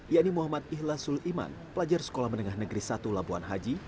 yani muhammad ihla sul iman pelajar sekolah menengah negeri satu labuan haji